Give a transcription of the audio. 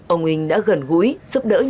ông inh đã gần gũi giúp đỡ nhiều